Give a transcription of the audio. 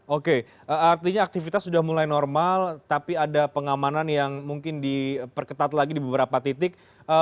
oke artinya aktivitas sudah mulai normal tapi ada pengamanan yang mungkin diperketat lagi di beberapa titik